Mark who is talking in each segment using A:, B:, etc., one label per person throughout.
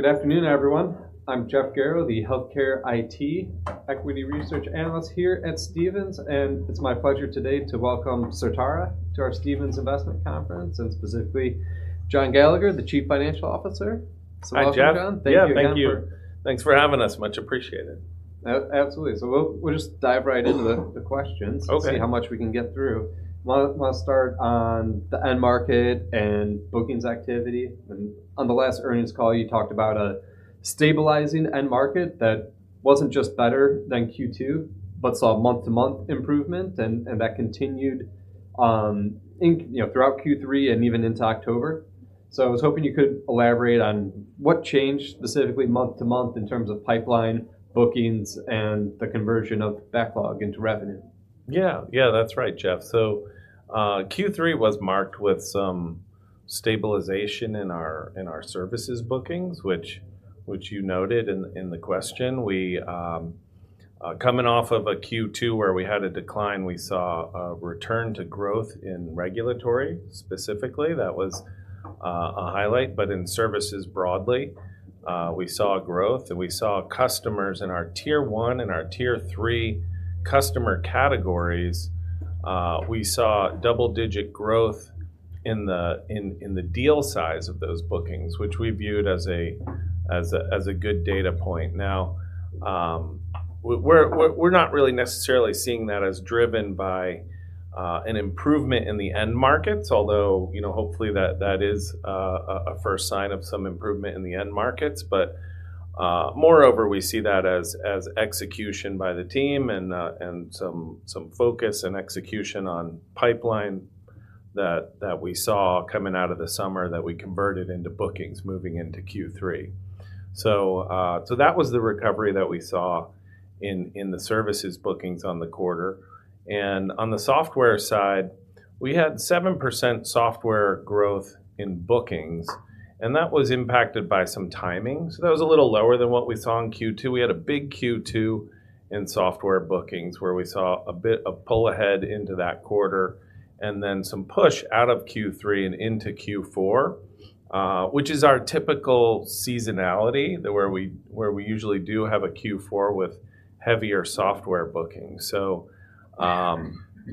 A: Good afternoon, everyone. I'm Jeff Garro, the healthcare IT equity research analyst here at Stephens, and it's my pleasure today to welcome Certara to our Stephens Investment Conference, and specifically John Gallagher, the Chief Financial Officer.
B: Hi, Jeff.
A: Welcome, John. Thank you again for-
B: Yeah, thank you. Thanks for having us. Much appreciated.
A: Absolutely. So we'll just dive right into the questions.
B: Okay.
A: See how much we can get through. Wanna start on the end market and bookings activity, and on the last earnings call, you talked about a stabilizing end market that wasn't just better than Q2, but saw month-to-month improvement and that continued in you know throughout Q3 and even into October. So I was hoping you could elaborate on what changed specifically month-to-month in terms of pipeline bookings and the conversion of backlog into revenue.
B: Yeah. Yeah, that's right, Jeff. So, Q3 was marked with some stabilization in our services bookings, which you noted in the question. We, coming off of a Q2 where we had a decline, we saw a return to growth in regulatory. Specifically, that was a highlight. But in services broadly, we saw growth, and we saw customers in our tier one and our tier three customer categories, we saw double-digit growth in the deal size of those bookings, which we viewed as a good data point. Now, we, we're not really necessarily seeing that as driven by an improvement in the end markets, although, you know, hopefully that is a first sign of some improvement in the end markets. But, moreover, we see that as execution by the team and some focus and execution on pipeline that we saw coming out of the summer, that we converted into bookings moving into Q3. So, that was the recovery that we saw in the services bookings on the quarter. And on the software side, we had 7% software growth in bookings, and that was impacted by some timing. So that was a little lower than what we saw in Q2. We had a big Q2 in software bookings, where we saw a bit of pull ahead into that quarter, and then some push out of Q3 and into Q4, which is our typical seasonality, where we usually do have a Q4 with heavier software bookings. So,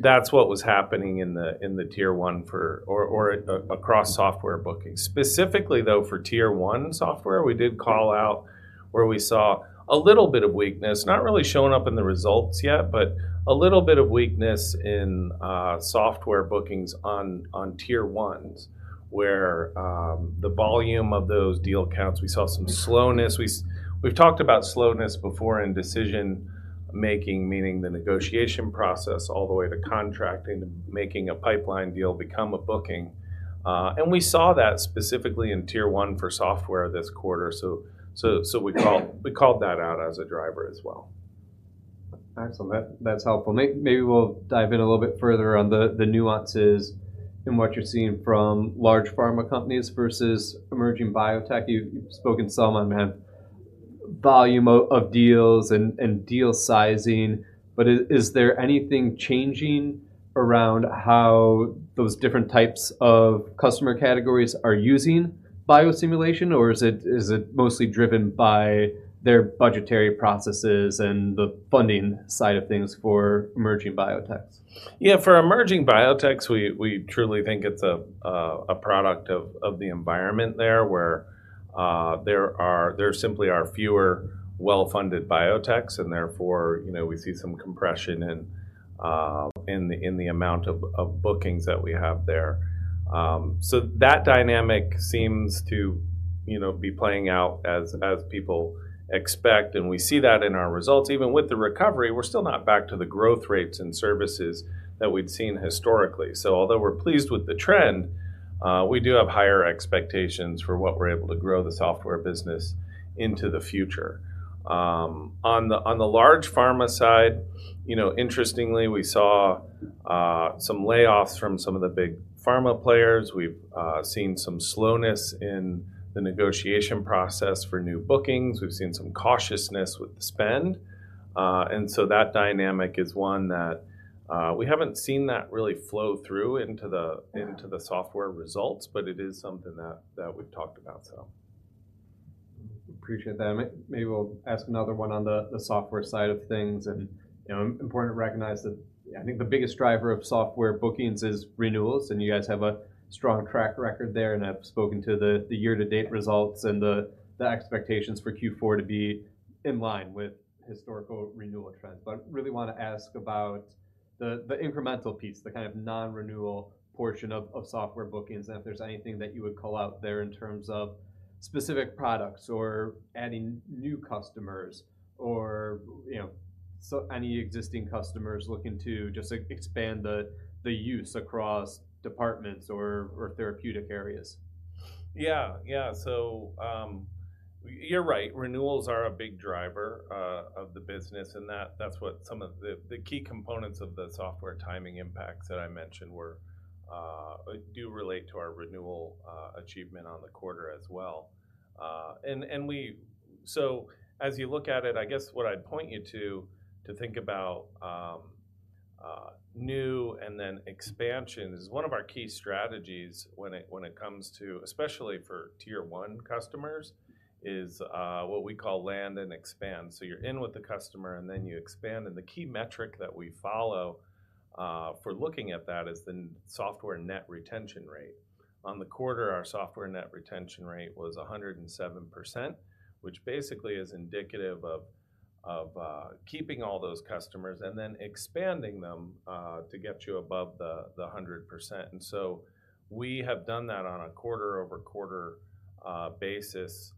B: that's what was happening in the tier one or across software bookings. Specifically, though, for tier one software, we did call out where we saw a little bit of weakness. Not really showing up in the results yet, but a little bit of weakness in software bookings on tier ones, where the volume of those deal counts, we saw some slowness. We've talked about slowness before in decision-making, meaning the negotiation process, all the way to contracting, to making a pipeline deal become a booking. And we saw that specifically in tier one for software this quarter. So we called that out as a driver as well.
A: Excellent. That's helpful. Maybe we'll dive in a little bit further on the nuances in what you're seeing from large pharma companies versus emerging biotech. You've spoken some on volume of deals and deal sizing, but is there anything changing around how those different types of customer categories are using biosimulation, or is it mostly driven by their budgetary processes and the funding side of things for emerging biotechs?
B: Yeah, for emerging biotechs, we truly think it's a product of the environment there, where there simply are fewer well-funded biotechs and therefore, you know, we see some compression in the amount of bookings that we have there. So that dynamic seems to, you know, be playing out as people expect, and we see that in our results. Even with the recovery, we're still not back to the growth rates and services that we'd seen historically. So although we're pleased with the trend, we do have higher expectations for what we're able to grow the software business into the future. On the large pharma side, you know, interestingly, we saw some layoffs from some of the big pharma players. We've seen some slowness in the negotiation process for new bookings. We've seen some cautiousness with the spend, and so that dynamic is one that we haven't seen that really flow through into the software results, but it is something that we've talked about, so.
A: Appreciate that. Maybe we'll ask another one on the software side of things, and, you know, important to recognize that, I think the biggest driver of software bookings is renewals, and you guys have a strong track record there, and I've spoken to the year-to-date results and the expectations for Q4 to be in line with historical renewal trends. But I really wanna ask about the incremental piece, the kind of non-renewal portion of software bookings, and if there's anything that you would call out there in terms of specific products or adding new customers or, you know, so any existing customers looking to just expand the use across departments or therapeutic areas.
B: Yeah. Yeah, so you're right, renewals are a big driver of the business, and that's what some of the key components of the software timing impacts that I mentioned were do relate to our renewal achievement on the quarter as well. So, as you look at it, I guess what I'd point you to think about, new and then expansions. One of our key strategies when it comes to, especially for Tier One customers, is what we call land and expand. So you're in with the customer, and then you expand, and the key metric that we follow for looking at that is the software net retention rate. On the quarter, our software net retention rate was 107%, which basically is indicative of keeping all those customers and then expanding them to get you above the 100%. And so we have done that on a quarter-over-quarter basis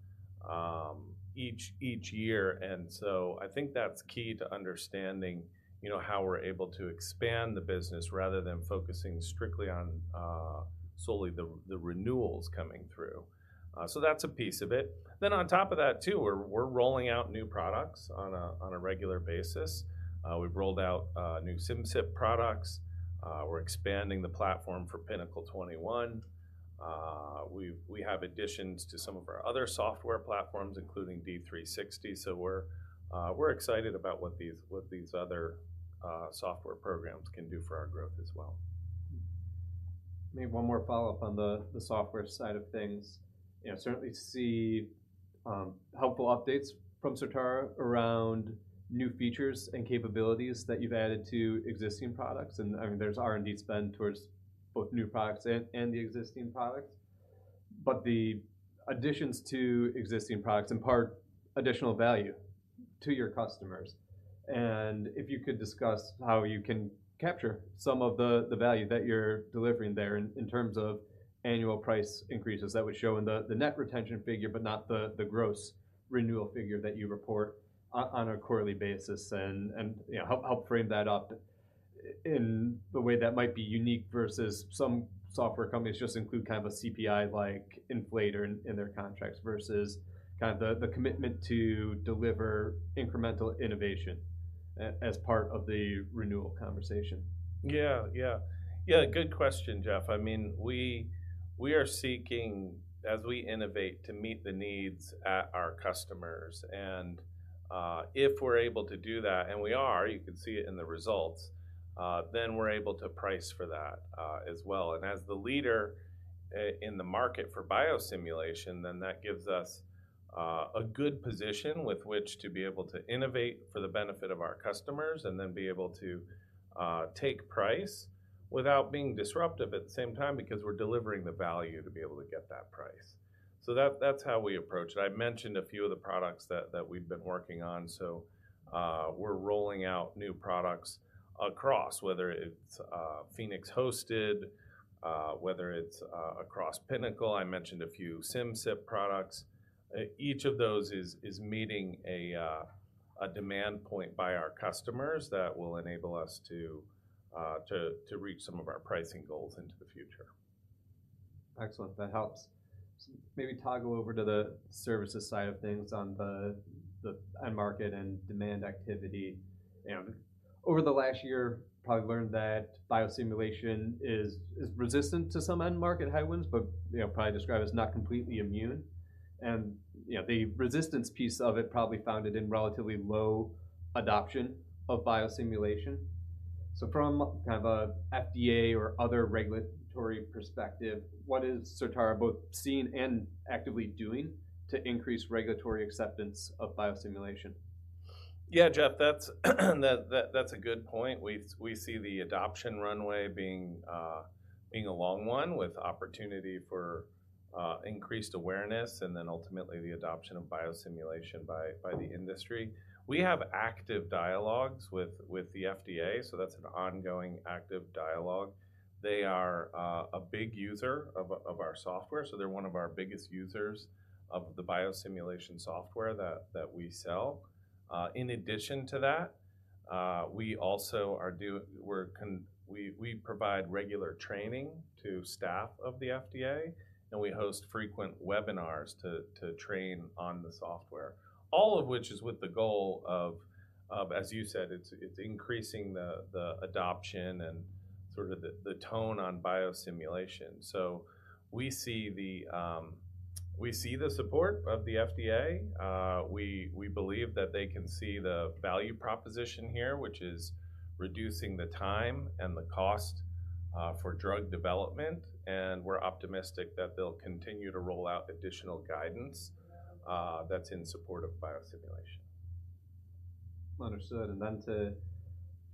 B: each year. And so I think that's key to understanding, you know, how we're able to expand the business rather than focusing strictly on solely the renewals coming through. So that's a piece of it. Then on top of that, too, we're rolling out new products on a regular basis. We've rolled out new Simcyp products. We're expanding the platform for Pinnacle 21. We have additions to some of our other software platforms, including D360. So we're excited about what these other software programs can do for our growth as well.
A: Maybe one more follow-up on the software side of things. You know, certainly see helpful updates from Certara around new features and capabilities that you've added to existing products, and I mean, there's R&D spend towards both new products and the existing products. But the additions to existing products impart additional value to your customers, and if you could discuss how you can capture some of the value that you're delivering there in terms of annual price increases, that would show in the net retention figure, but not the gross renewal figure that you report on a quarterly basis. And, you know, help frame that up in the way that might be unique versus some software companies just include kind of a CPI-like inflator in their contracts versus kind of the commitment to deliver incremental innovation as part of the renewal conversation.
B: Yeah, yeah. Yeah, good question, Jeff. I mean, we are seeking, as we innovate, to meet the needs at our customers, and if we're able to do that, and we are, you can see it in the results, then we're able to price for that, as well. And as the leader in the market for biosimulation, then that gives us a good position with which to be able to innovate for the benefit of our customers and then be able to take price without being disruptive at the same time, because we're delivering the value to be able to get that price. So that's how we approach it. I've mentioned a few of the products that we've been working on. So we're rolling out new products across, whether it's Phoenix Hosted, whether it's across Pinnacle. I mentioned a few Simcyp products. Each of those is meeting a demand point by our customers that will enable us to reach some of our pricing goals into the future.
A: Excellent. That helps. Maybe toggle over to the services side of things on the end market and demand activity. You know, over the last year, probably learned that biosimulation is resistant to some end market headwinds, but, you know, probably describe it as not completely immune. And, you know, the resistance piece of it probably found it in relatively low adoption of biosimulation. So from kind of a FDA or other regulatory perspective, what is Certara both seeing and actively doing to increase regulatory acceptance of biosimulation?
B: Yeah, Jeff, that's a good point. We see the adoption runway being a long one, with opportunity for increased awareness and then ultimately the adoption of biosimulation by the industry. We have active dialogues with the FDA, so that's an ongoing active dialogue. They are a big user of our software, so they're one of our biggest users of the biosimulation software that we sell. In addition to that, we provide regular training to staff of the FDA, and we host frequent webinars to train on the software. All of which is with the goal of, as you said, increasing the adoption and sort of the tone on biosimulation. So we see the support of the FDA. We believe that they can see the value proposition here, which is reducing the time and the cost for drug development, and we're optimistic that they'll continue to roll out additional guidance that's in support of biosimulation.
A: Understood. Then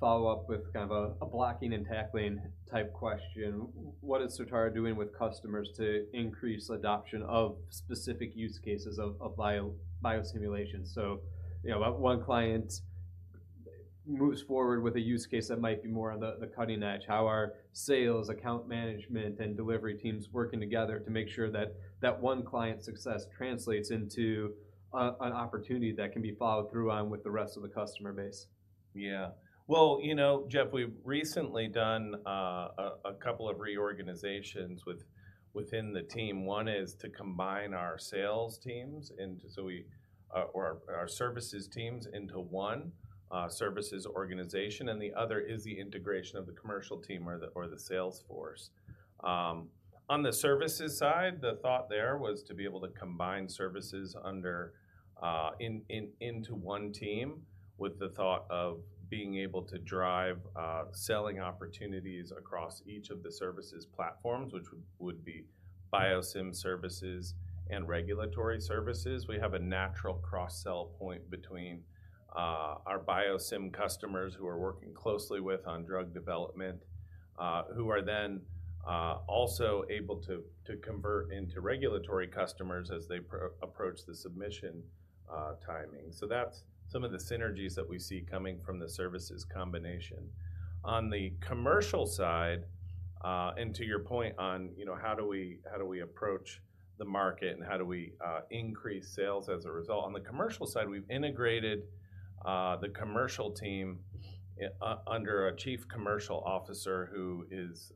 A: to follow up with kind of a blocking and tackling type question, what is Certara doing with customers to increase adoption of specific use cases of biosimulation? So, you know, one client moves forward with a use case that might be more on the cutting edge. How are sales, account management, and delivery teams working together to make sure that that one client's success translates into an opportunity that can be followed through on with the rest of the customer base?
B: Yeah. Well, you know, Jeff, we've recently done a couple of reorganizations within the team. One is to combine our services teams into one services organization, and the other is the integration of the commercial team or the sales force. On the services side, the thought there was to be able to combine services into one team, with the thought of being able to drive selling opportunities across each of the services platforms, which would be biosim services and regulatory services. We have a natural cross-sell point between our biosim customers who we're working closely with on drug development who are then also able to convert into regulatory customers as they approach the submission timing. So that's some of the synergies that we see coming from the services combination. On the commercial side, and to your point on, you know, how do we, how do we approach the market, and how do we, increase sales as a result? On the commercial side, we've integrated the commercial team under a Chief Commercial Officer who is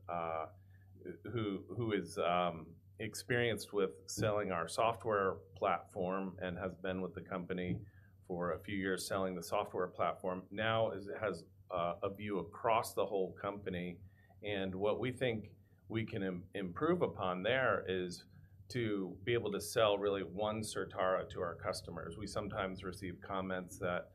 B: experienced with selling our software platform and has been with the company for a few years selling the software platform. Now, has a view across the whole company, and what we think we can improve upon there is to be able to sell really one Certara to our customers. We sometimes receive comments that,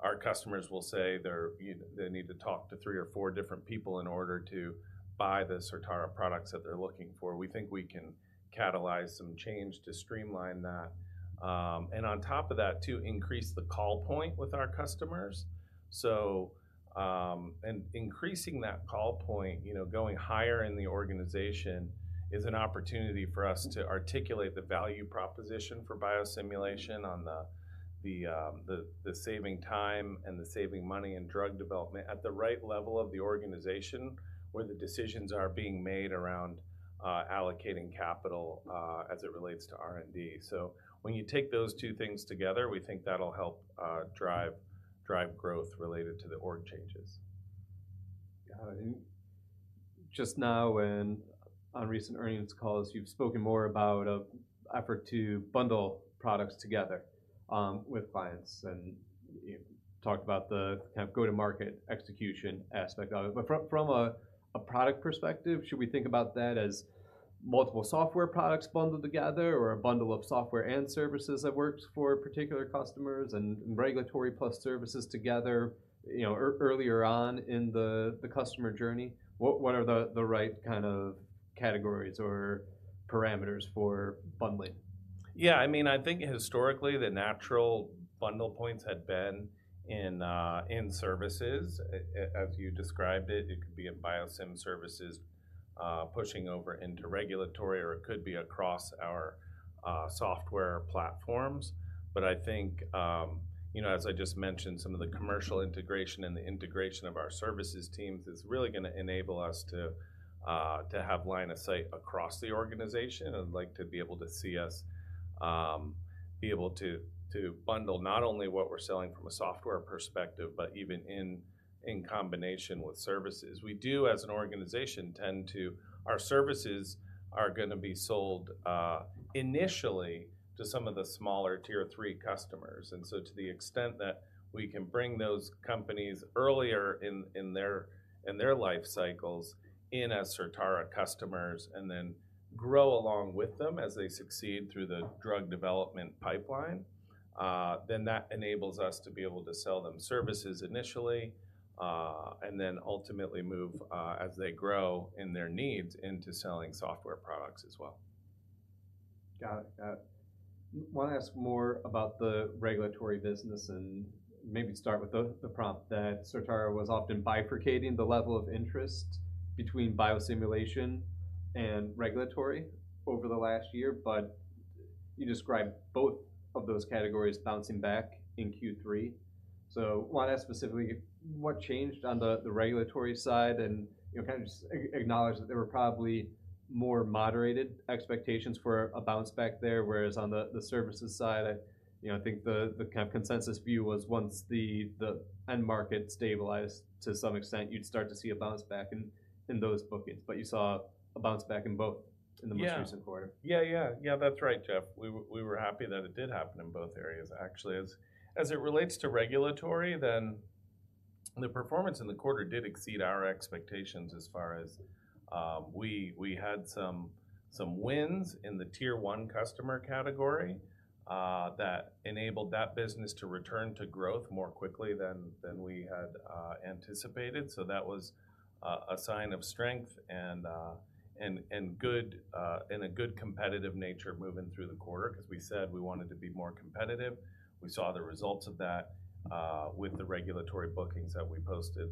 B: our customers will say they're, you know, they need to talk to three or four different people in order to buy the Certara products that they're looking for. We think we can catalyze some change to streamline that. And on top of that, to increase the call point with our customers. And increasing that call point, you know, going higher in the organization, is an opportunity for us to articulate the value proposition for Biosimulation on the, the, the saving time and the saving money in drug development at the right level of the organization, where the decisions are being made around, allocating capital, as it relates to R&D. So when you take those two things together, we think that'll help, drive growth related to the org changes.
A: Got it. Just now and on recent earnings calls, you've spoken more about an effort to bundle products together with clients, and you talked about the kind of go-to-market execution aspect of it. But from a product perspective, should we think about that as multiple software products bundled together, or a bundle of software and services that works for particular customers, and regulatory plus services together, you know, earlier on in the customer journey? What are the right kind of categories or parameters for bundling?
B: Yeah, I mean, I think historically, the natural bundle points had been in services. As you described it, it could be in Biosim services, pushing over into regulatory, or it could be across our software platforms. But I think, you know, as I just mentioned, some of the commercial integration and the integration of our services teams is really gonna enable us to have line of sight across the organization, and like to be able to see us, be able to, to bundle not only what we're selling from a software perspective, but even in combination with services. We do, as an organization, tend to... Our services are gonna be sold initially to some of the smaller Tier Three customers. And so to the extent that we can bring those companies earlier in their life cycles in as Certara customers, and then grow along with them as they succeed through the drug development pipeline, then that enables us to be able to sell them services initially, and then ultimately move, as they grow in their needs, into selling software products as well.
A: Got it. Wanna ask more about the regulatory business and maybe start with the prompt that Certara was often bifurcating the level of interest between Biosimulation and regulatory over the last year. But you described both of those categories bouncing back in Q3. So wanna ask specifically, what changed on the regulatory side and, you know, kind of just acknowledge that there were probably more moderated expectations for a bounce back there, whereas on the services side, I, you know, I think the kind of consensus view was once the end market stabilized to some extent, you'd start to see a bounce back in those bookings. But you saw a bounce back in both-
B: Yeah...
A: in the most recent quarter.
B: Yeah, yeah. Yeah, that's right, Jeff. We were happy that it did happen in both areas, actually. As it relates to regulatory, then the performance in the quarter did exceed our expectations as far as we had some wins in the Tier One customer category that enabled that business to return to growth more quickly than we had anticipated. So that was a sign of strength and a good competitive nature moving through the quarter, because we said we wanted to be more competitive. We saw the results of that with the regulatory bookings that we posted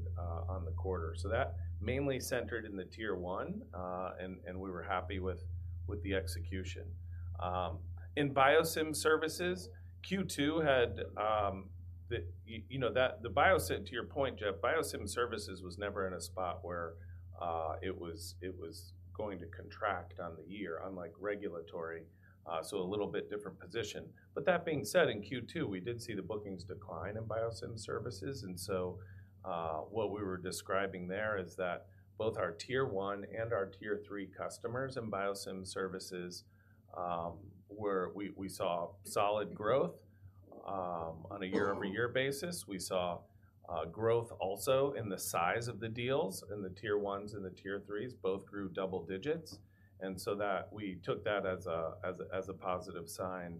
B: on the quarter. So that mainly centered in the Tier One, and we were happy with the execution. In Biosim services, Q2 had the... You know, that the Biosim to your point, Jeff, Biosim services was never in a spot where it was going to contract on the year, unlike regulatory, so a little bit different position. But that being said, in Q2, we did see the bookings decline in Biosim services, and so what we were describing there is that both our Tier One and our Tier Three customers in Biosim services were we saw solid growth on a year-over-year basis. We saw growth also in the size of the deals, and the Tier Ones and the Tier Threes both grew double digits. And so that we took that as a positive sign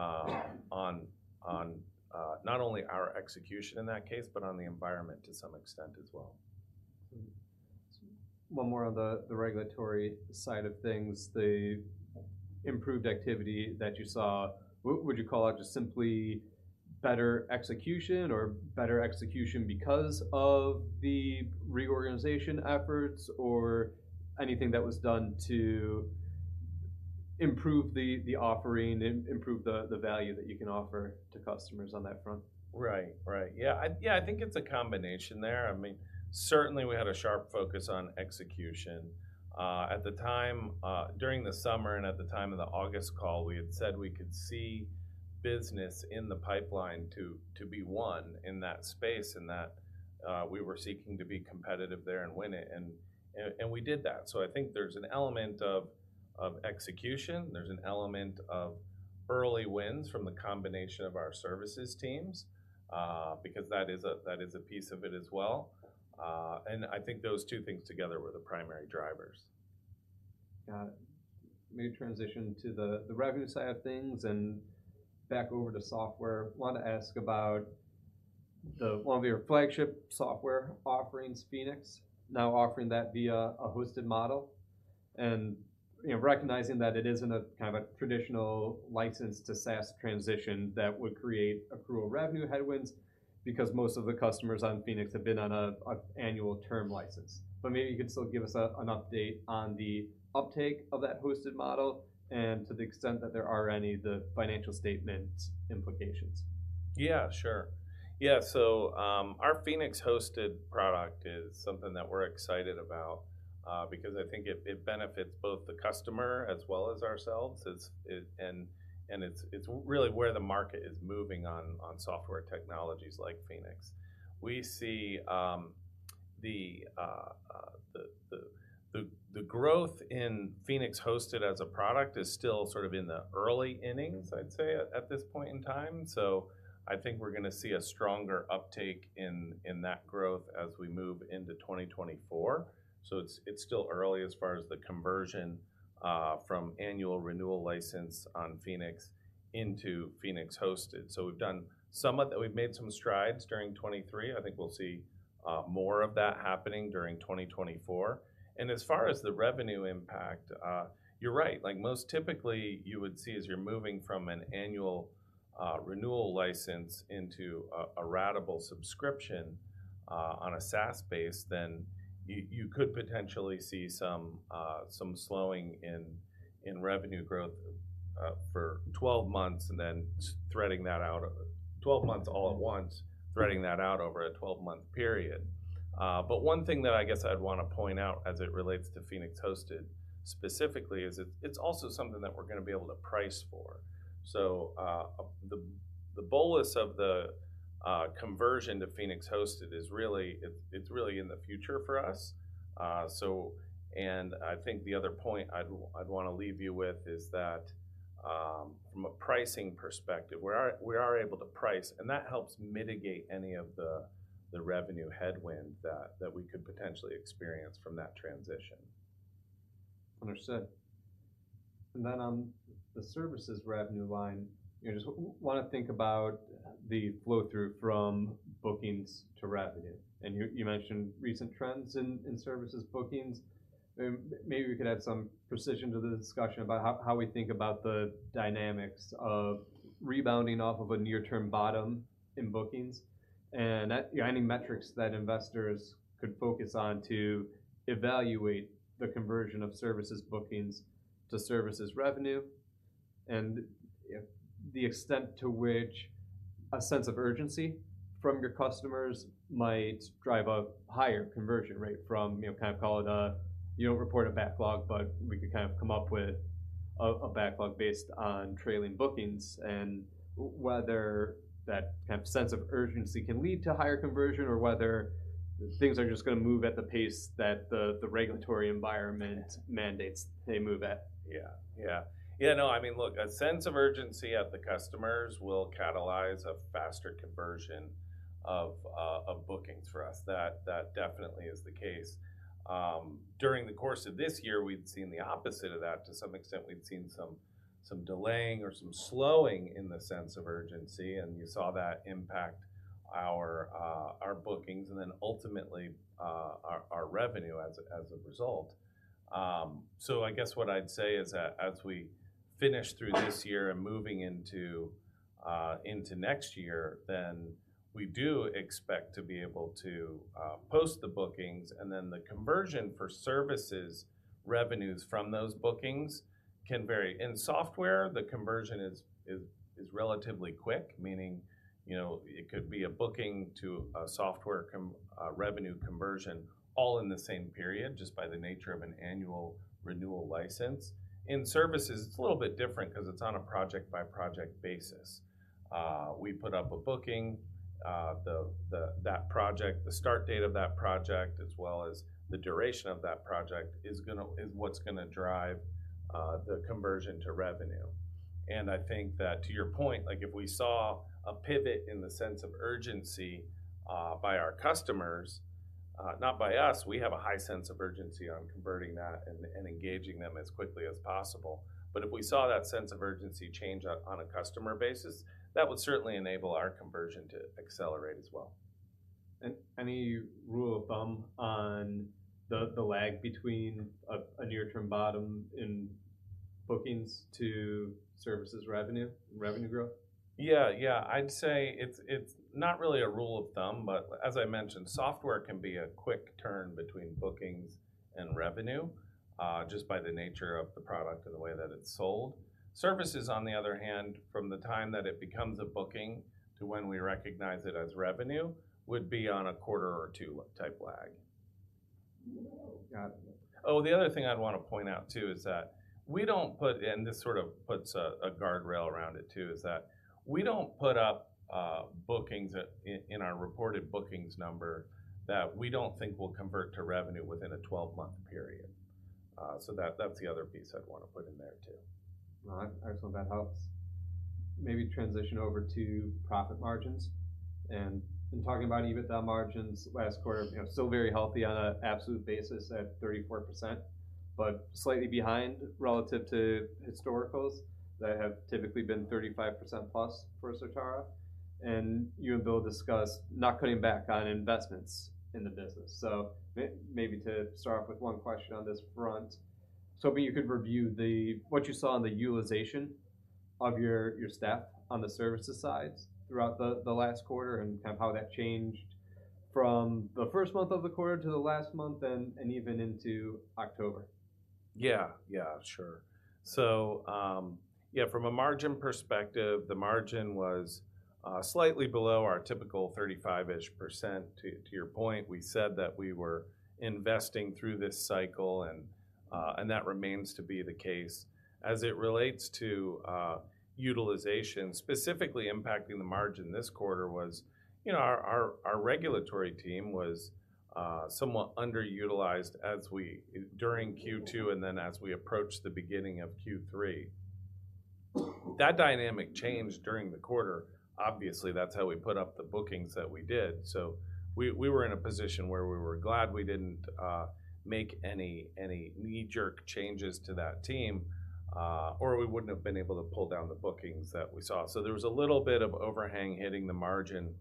B: on not only our execution in that case, but on the environment to some extent as well.
A: Mm-hmm, one more on the regulatory side of things, the improved activity that you saw, would you call it just simply better execution or better execution because of the reorganization efforts, or anything that was done to improve the offering and improve the value that you can offer to customers on that front?
B: Right. Right. Yeah, I, yeah, I think it's a combination there. I mean, certainly we had a sharp focus on execution. At the time, during the summer and at the time of the August call, we had said we could see business in the pipeline to be won in that space, and that we were seeking to be competitive there and win it, and we did that. So I think there's an element of execution, there's an element of early wins from the combination of our services teams, because that is a piece of it as well. And I think those two things together were the primary drivers.
A: Got it. Maybe transition to the revenue side of things, and back over to software. Wanted to ask about the one of your flagship software offerings, Phoenix, now offering that via a hosted model, and, you know, recognizing that it isn't a kind of a traditional license to SaaS transition that would create accrual revenue headwinds, because most of the customers on Phoenix have been on a annual term license. But maybe you could still give us an update on the uptake of that hosted model, and to the extent that there are any, the financial statement implications.
B: Yeah, sure. Yeah, so, our Phoenix-hosted product is something that we're excited about, because I think it benefits both the customer as well as ourselves. It's... And it's really where the market is moving on software technologies like Phoenix. We see the growth in Phoenix-hosted as a product is still sort of in the early innings, I'd say, at this point in time. So I think we're gonna see a stronger uptake in that growth as we move into 2024. So it's still early as far as the conversion from annual renewal license on Phoenix into Phoenix-hosted. So we've done somewhat, we've made some strides during 2023. I think we'll see more of that happening during 2024. And as far as the revenue impact, you're right. Like, most typically, you would see as you're moving from an annual renewal license into a ratable subscription on a SaaS base, then you could potentially see some slowing in revenue growth for 12 months, and then threading that out. 12 months all at once, threading that out over a 12-month period. But one thing that I guess I'd wanna point out as it relates to Phoenix-hosted specifically is it's also something that we're gonna be able to price for. So, the bolus of the conversion to Phoenix-hosted is really, it's really in the future for us. So... I think the other point I'd wanna leave you with is that, from a pricing perspective, we are able to price, and that helps mitigate any of the revenue headwind that we could potentially experience from that transition.
A: Understood. Then on the services revenue line, you know, just wanna think about the flow-through from bookings to revenue. And you mentioned recent trends in services bookings, and maybe we could add some precision to the discussion about how we think about the dynamics of rebounding off of a near-term bottom in bookings, and any metrics that investors could focus on to evaluate the conversion of services bookings to services revenue. The extent to which a sense of urgency from your customers might drive a higher conversion rate from, you know, kind of call it a. You don't report a backlog, but we could kind of come up with a backlog based on trailing bookings, and whether that kind of sense of urgency can lead to higher conversion or whether things are just gonna move at the pace that the regulatory environment mandates they move at?
B: Yeah. Yeah. Yeah, no, I mean, look, a sense of urgency at the customers will catalyze a faster conversion of bookings for us. That, that definitely is the case. During the course of this year, we've seen the opposite of that to some extent. We've seen some, some delaying or some slowing in the sense of urgency, and you saw that impact our bookings and then ultimately our revenue as a result. So I guess what I'd say is that as we finish through this year and moving into next year, then we do expect to be able to post the bookings, and then the conversion for services revenues from those bookings can vary. In software, the conversion is relatively quick, meaning, you know, it could be a booking to a software revenue conversion all in the same period, just by the nature of an annual renewal license. In services, it's a little bit different 'cause it's on a project-by-project basis. We put up a booking, the that project, the start date of that project, as well as the duration of that project, is gonna- is what's gonna drive the conversion to revenue. And I think that to your point, like, if we saw a pivot in the sense of urgency by our customers, not by us, we have a high sense of urgency on converting that and engaging them as quickly as possible. If we saw that sense of urgency change on a customer basis, that would certainly enable our conversion to accelerate as well.
A: Any rule of thumb on the lag between a near-term bottom in bookings to services revenue, revenue growth?
B: Yeah, yeah. I'd say it's not really a rule of thumb, but as I mentioned, software can be a quick turn between bookings and revenue, just by the nature of the product and the way that it's sold. Services, on the other hand, from the time that it becomes a booking to when we recognize it as revenue, would be on a quarter or two type lag.
A: Got it.
B: Oh, the other thing I'd want to point out, too, is that we don't put... And this sort of puts a guardrail around it, too, is that we don't put up bookings in our reported bookings number that we don't think will convert to revenue within a 12-month period. So that, that's the other piece I'd want to put in there, too.
A: Well, excellent. That helps. Maybe transition over to profit margins, and in talking about EBITDA margins last quarter, you know, still very healthy on a absolute basis at 34%, but slightly behind relative to historicals that have typically been 35%+ for Certara. And you and Bill discussed not cutting back on investments in the business. So maybe to start off with one question on this front, so maybe you could review what you saw in the utilization of your staff on the services sides throughout the last quarter, and kind of how that changed from the first month of the quarter to the last month and even into October.
B: Yeah. Yeah, sure. So, yeah, from a margin perspective, the margin was slightly below our typical 35-ish%. To your point, we said that we were investing through this cycle, and that remains to be the case. As it relates to utilization, specifically impacting the margin this quarter was, you know, our regulatory team was somewhat underutilized during Q2, and then as we approached the beginning of Q3. That dynamic changed during the quarter. Obviously, that's how we put up the bookings that we did. So we were in a position where we were glad we didn't make any knee-jerk changes to that team, or we wouldn't have been able to pull down the bookings that we saw. So there was a little bit of overhang hitting the margin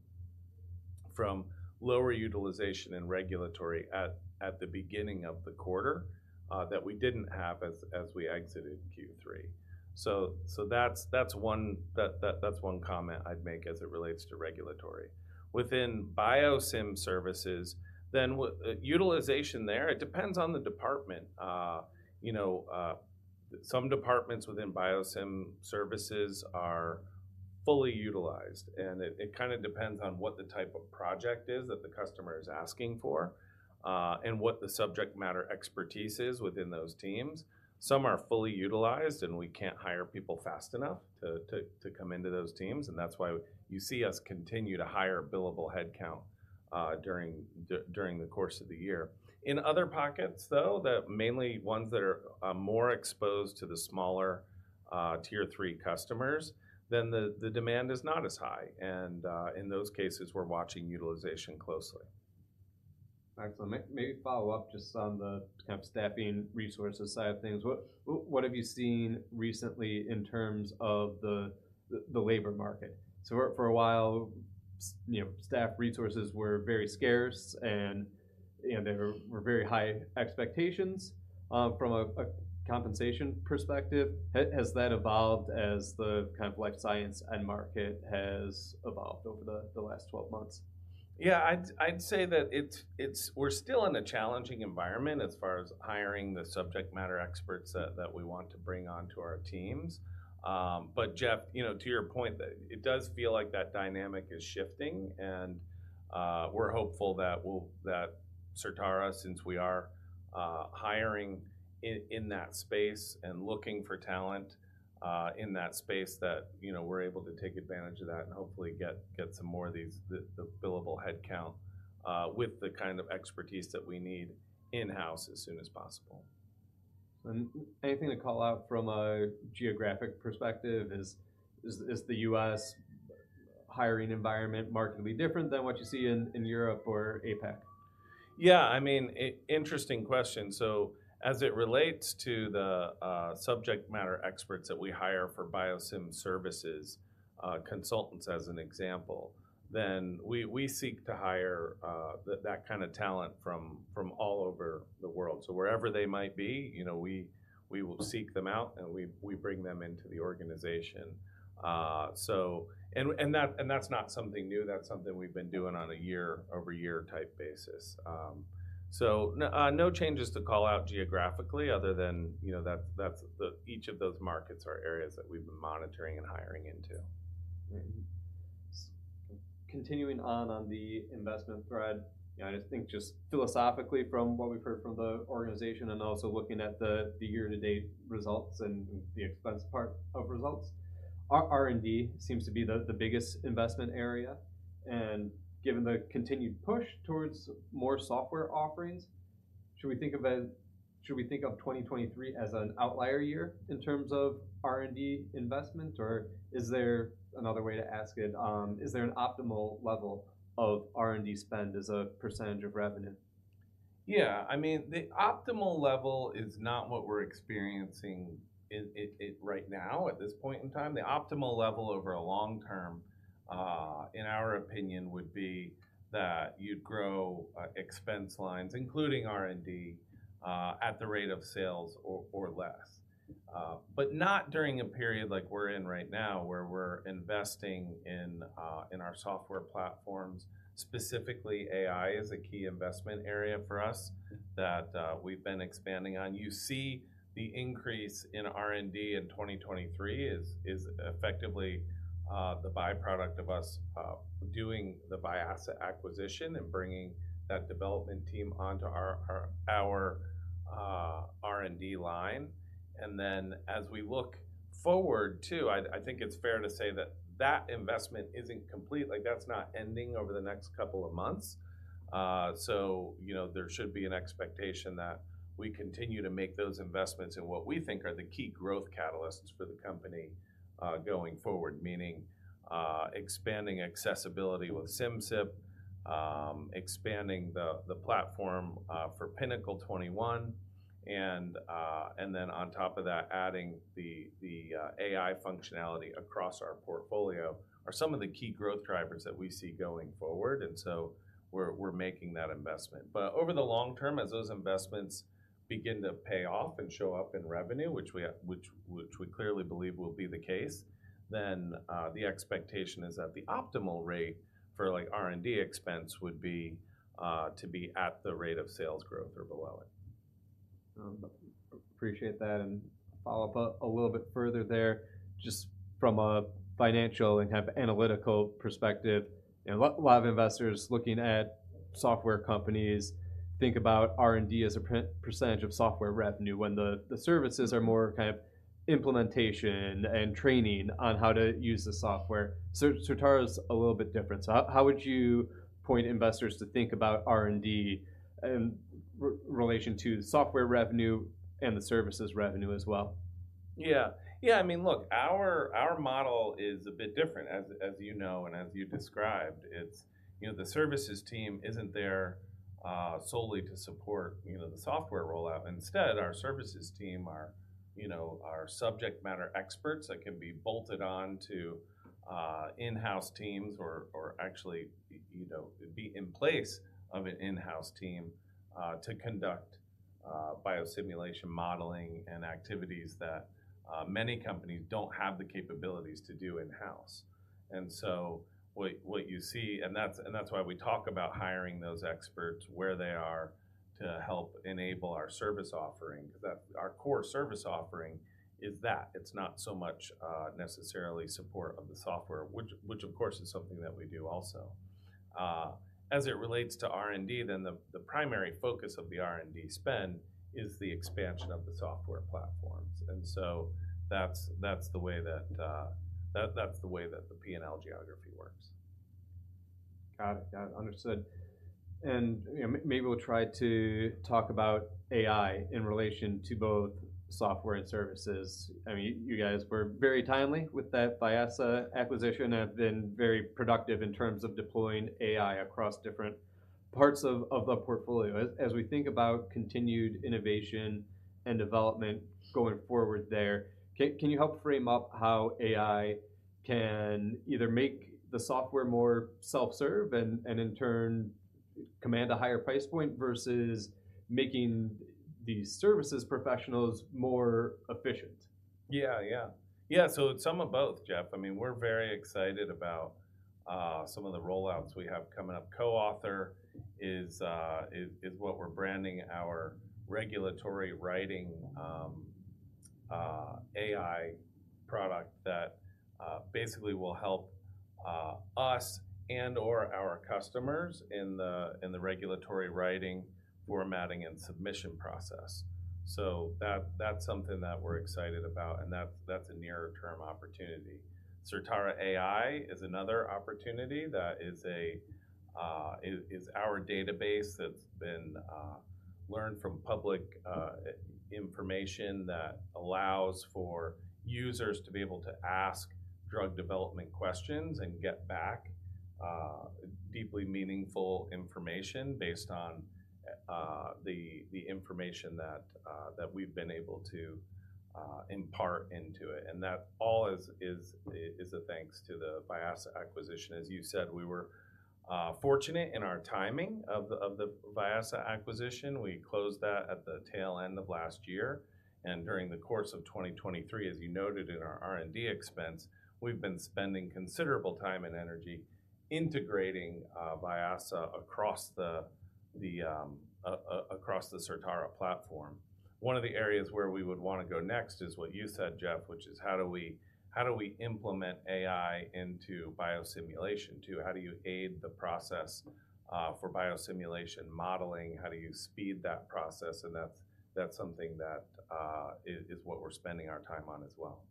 B: from lower utilization in regulatory at the beginning of the quarter that we didn't have as we exited Q3. So that's one. That's one comment I'd make as it relates to regulatory. Within Biosim services, utilization there, it depends on the department. You know, some departments within Biosim services are fully utilized, and it kind of depends on what the type of project is that the customer is asking for, and what the subject matter expertise is within those teams. Some are fully utilized, and we can't hire people fast enough to come into those teams, and that's why you see us continue to hire billable headcount during the course of the year. In other pockets, though, the mainly ones that are more exposed to the smaller Tier 3 customers, then the demand is not as high, and in those cases, we're watching utilization closely.
A: Excellent. May I follow up just on the kind of staffing resources side of things. What have you seen recently in terms of the labor market? So for a while, you know, staff resources were very scarce, and, you know, there were very high expectations from a compensation perspective. Has that evolved as the kind of life science end market has evolved over the last 12 months?
B: Yeah, I'd say that we're still in a challenging environment as far as hiring the subject matter experts that we want to bring onto our teams. But Jeff, you know, to your point, that it does feel like that dynamic is shifting, and we're hopeful that Certara, since we are hiring in that space and looking for talent in that space, that, you know, we're able to take advantage of that and hopefully get some more of the billable headcount with the kind of expertise that we need in-house as soon as possible.
A: Anything to call out from a geographic perspective? Is the U.S. hiring environment markedly different than what you see in Europe or APAC?
B: Yeah, I mean, interesting question. So as it relates to the subject matter experts that we hire for Biosim services, consultants, as an example, then we seek to hire that kind of talent from all over the world. So wherever they might be, you know, we will seek them out, and we bring them into the organization. So and, and that, and that's not something new. That's something we've been doing on a year-over-year type basis. No changes to call out geographically, other than, you know, that's each of those markets are areas that we've been monitoring and hiring into.
A: Mm-hmm. Continuing on, on the investment thread, you know, I just think just philosophically, from what we've heard from the organization and also looking at the, the year-to-date results and the expense part of results, our R&D seems to be the, the biggest investment area, and given the continued push towards more software offerings, should we think of 2023 as an outlier year in terms of R&D investment, or is there another way to ask it? Is there an optimal level of R&D spend as a percentage of revenue?
B: Yeah, I mean, the optimal level is not what we're experiencing in it right now, at this point in time. The optimal level over a long term, in our opinion, would be that you'd grow expense lines, including R&D, at the rate of sales or less. But not during a period like we're in right now, where we're investing in our software platforms. Specifically, AI is a key investment area for us that we've been expanding on. You see the increase in R&D in 2023 is effectively the by-product of us doing the Vyasa acquisition and bringing that development team onto our R&D line. And then as we look forward, too, I think it's fair to say that that investment isn't complete. Like, that's not ending over the next couple of months. So you know, there should be an expectation that we continue to make those investments in what we think are the key growth catalysts for the company, going forward. Meaning, expanding accessibility with Simcyp, expanding the platform for Pinnacle 21, and then on top of that, adding the AI functionality across our portfolio, are some of the key growth drivers that we see going forward, and so we're making that investment. But over the long term, as those investments begin to pay off and show up in revenue, which we clearly believe will be the case, then the expectation is that the optimal rate for, like, R&D expense would be to be at the rate of sales growth or below it.
A: Appreciate that, and follow up a little bit further there. Just from a financial and kind of analytical perspective, you know, a lot of investors looking at software companies think about R&D as a percentage of software revenue, when the services are more kind of implementation and training on how to use the software. Certara's a little bit different, so how would you point investors to think about R&D in relation to the software revenue and the services revenue as well?
B: Yeah. Yeah, I mean, look, our model is a bit different as you know, and as you described. It's... You know, the services team isn't there solely to support, you know, the software rollout. Instead, our services team are, you know, are subject matter experts that can be bolted on to in-house teams or actually, you know, be in place of an in-house team to conduct biosimulation modeling and activities that many companies don't have the capabilities to do in-house. And so what you see. And that's why we talk about hiring those experts where they are to help enable our service offering, 'cause that. Our core service offering is that. It's not so much necessarily support of the software, which of course, is something that we do also. As it relates to R&D, the primary focus of the R&D spend is the expansion of the software platforms. And so that's the way that the P&L geography works.
A: Got it. Got it. Understood. And, you know, maybe we'll try to talk about AI in relation to both software and services. I mean, you guys were very timely with that Vyasa acquisition and have been very productive in terms of deploying AI across different parts of the portfolio. As we think about continued innovation and development going forward there, can you help frame up how AI can either make the software more self-serve and in turn command a higher price point, versus making the services professionals more efficient?
B: Yeah, yeah. Yeah, so some of both, Jeff. I mean, we're very excited about some of the rollouts we have coming up. CoAuthor is what we're branding our regulatory writing AI product that basically will help us and/or our customers in the regulatory writing, formatting, and submission process. So that's something that we're excited about, and that's a nearer term opportunity. Certara AI is another opportunity that is a... It is our database that's been learned from public information that allows for users to be able to ask drug development questions and get back deeply meaningful information based on the information that we've been able to impart into it. And that all is a thanks to the Vyasa acquisition. As you said, we were fortunate in our timing of the, of the Vyasa acquisition. We closed that at the tail end of last year, and during the course of 2023, as you noted in our R&D expense, we've been spending considerable time and energy integrating Vyasa across the Certara platform. One of the areas where we would wanna go next is what you said, Jeff, which is, how do we, how do we implement AI into biosimulation, too? How do you aid the process for biosimulation modeling? How do you speed that process? And that's something that is what we're spending our time on as well.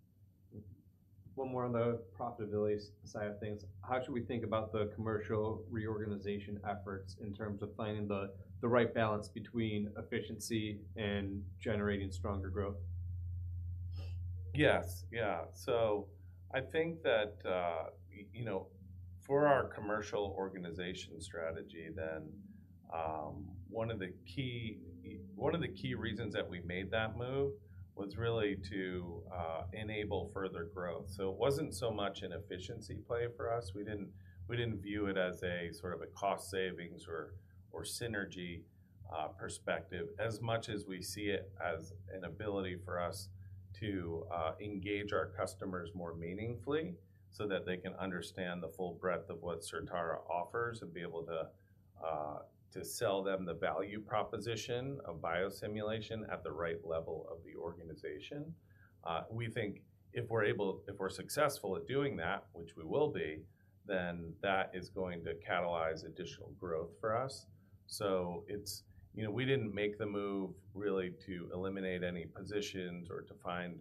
A: One more on the profitability side of things. How should we think about the commercial reorganization efforts, in terms of finding the right balance between efficiency and generating stronger growth? ...
B: Yes. Yeah, so I think that, you know, for our commercial organization strategy, then, one of the key reasons that we made that move was really to enable further growth. So it wasn't so much an efficiency play for us. We didn't view it as a sort of a cost savings or synergy perspective, as much as we see it as an ability for us to engage our customers more meaningfully, so that they can understand the full breadth of what Certara offers, and be able to to sell them the value proposition of biosimulation at the right level of the organization. We think if we're successful at doing that, which we will be, then that is going to catalyze additional growth for us. So it's... You know, we didn't make the move really to eliminate any positions or to find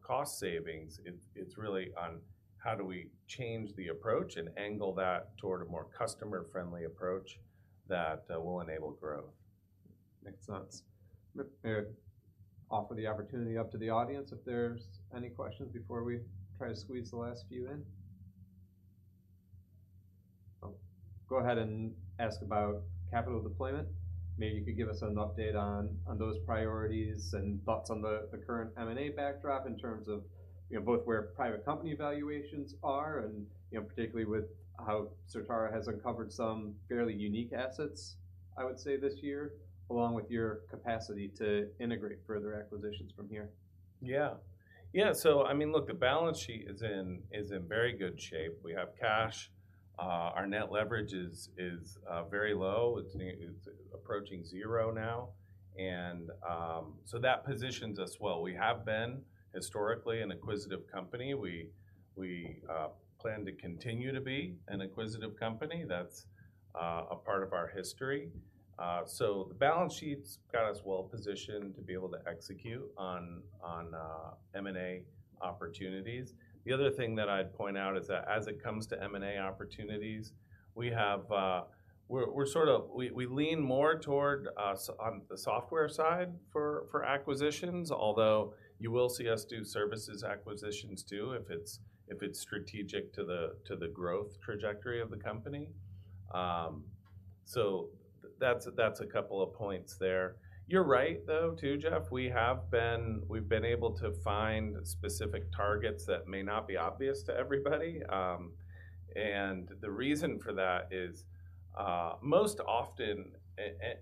B: cost savings. It's really on how do we change the approach and angle that toward a more customer-friendly approach that will enable growth.
A: Makes sense. Offer the opportunity up to the audience, if there's any questions before we try to squeeze the last few in. I'll go ahead and ask about capital deployment. Maybe you could give us an update on those priorities and thoughts on the current M&A backdrop in terms of, you know, both where private company valuations are and, you know, particularly with how Certara has uncovered some fairly unique assets, I would say, this year, along with your capacity to integrate further acquisitions from here.
B: Yeah. Yeah, so I mean, look, the balance sheet is in very good shape. We have cash. Our net leverage is very low. It's approaching zero now, and so that positions us well. We have been historically an acquisitive company. We plan to continue to be an acquisitive company. That's a part of our history. So the balance sheet's got us well positioned to be able to execute on M&A opportunities. The other thing that I'd point out is that as it comes to M&A opportunities, we have. We're sort of we lean more toward on the software side for acquisitions, although you will see us do services acquisitions, too, if it's strategic to the growth trajectory of the company. So that's a couple of points there. You're right, though, too, Jeff. We have been able to find specific targets that may not be obvious to everybody. And the reason for that is, most often,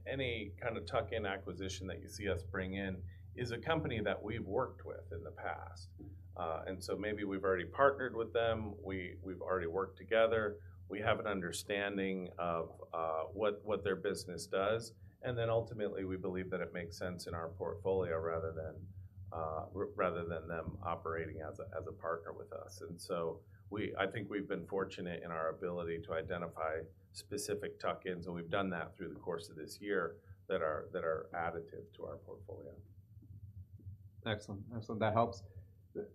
B: any kind of tuck-in acquisition that you see us bring in is a company that we've worked with in the past. And so maybe we've already partnered with them. We've already worked together. We have an understanding of what their business does, and then ultimately, we believe that it makes sense in our portfolio, rather than them operating as a partner with us. And so I think we've been fortunate in our ability to identify specific tuck-ins, and we've done that through the course of this year, that are additive to our portfolio.
A: Excellent. Excellent, that helps.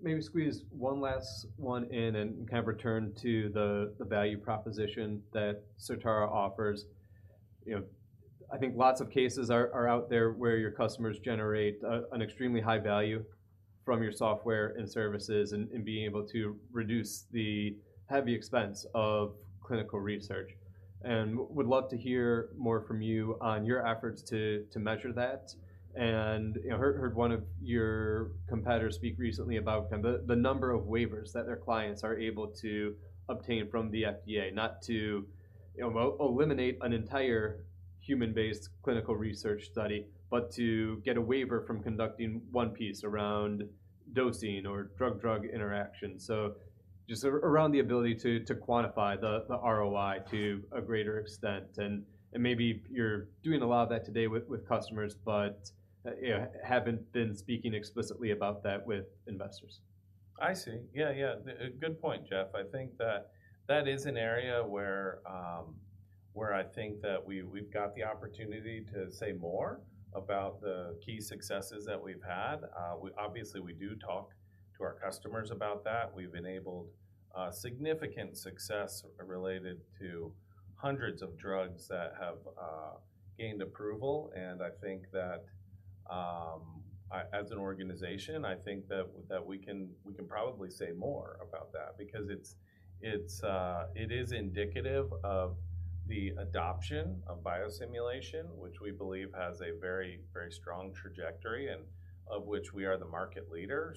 A: Maybe squeeze one last one in and kind of return to the value proposition that Certara offers. You know, I think lots of cases are out there where your customers generate an extremely high value from your software and services and being able to reduce the heavy expense of clinical research. And would love to hear more from you on your efforts to measure that. And, you know, heard one of your competitors speak recently about kind of the number of waivers that their clients are able to obtain from the FDA, not to, you know, eliminate an entire human-based clinical research study, but to get a waiver from conducting one piece around dosing or drug-drug interactions. So just around the ability to quantify the ROI to a greater extent, and maybe you're doing a lot of that today with customers, but yeah, haven't been speaking explicitly about that with investors.
B: I see. Yeah, yeah, a good point, Jeff. I think that that is an area where I think that we, we've got the opportunity to say more about the key successes that we've had. Obviously, we do talk to our customers about that. We've enabled significant success related to hundreds of drugs that have gained approval, and I think that as an organization, I think that we can probably say more about that because it's indicative of the adoption of biosimulation, which we believe has a very, very strong trajectory, and of which we are the market leader.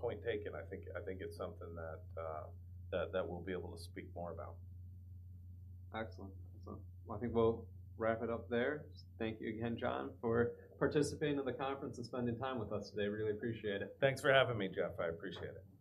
B: Point taken. I think it's something that we'll be able to speak more about.
A: Excellent. So I think we'll wrap it up there. Thank you again, John, for participating in the conference and spending time with us today. Really appreciate it.
B: Thanks for having me, Jeff. I appreciate it.